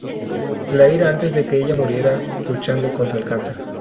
Clair antes de que ella muriera luchando contra el cáncer.